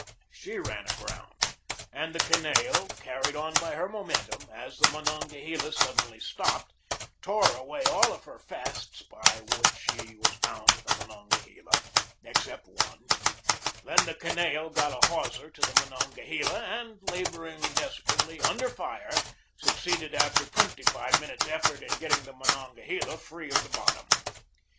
She ran aground, and the Kineo, car ried on by her momentum as the Monongahela sud denly stopped, tore away all of her fasts by which she was bound to the Monongahela except one. Then the Kineo got a hawser to the Monongahela, and, laboring desperately, under fire, succeeded after twenty five minutes' effort in getting the Monon gahela free of the bottom.